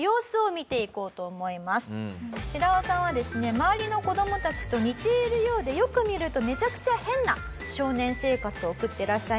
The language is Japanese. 周りの子どもたちと似ているようでよく見るとめちゃくちゃ変な少年生活を送ってらっしゃいました。